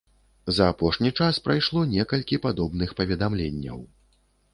За апошні час прайшло некалькі падобных паведамленняў.